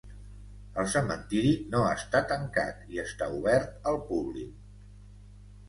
El cementiri no està tancat i està obert al públic.